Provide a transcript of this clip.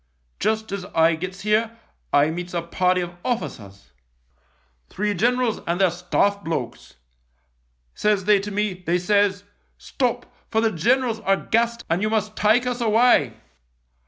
Just as I gets here I meets a party of officers — three THE LIEUTENANT 21 generals and their Staff blokes. Says they to me, they says, ' Stop, for the generals are gassed and you must take us away.'